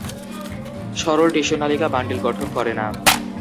সরল টিস্যু নালিকা বান্ডিল গঠন করে না।